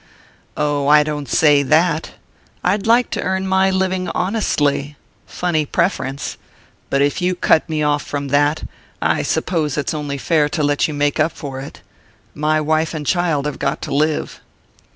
"Oh, I don't say that. I'd like to earn my living honestly funny preference but if you cut me off from that, I suppose it's only fair to let you make up for it. My wife and child have got to live."